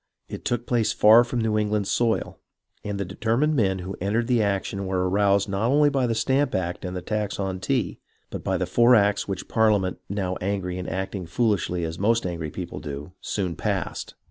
It took place far from New England soil, and the determined men who entered the action were aroused not only by the Stamp Act and the tax on tea, but by the four acts which Parliament, now angry and acting as foolishly as most angry people do, soon passed.